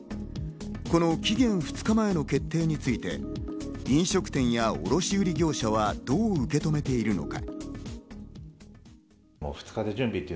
この期限２日前の決定について、飲食店や卸売業者はどう受け止めているのか。